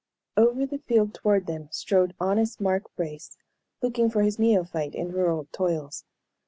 Over the field toward them strode honest Mark Brace, looking for his neophyte in rural toils.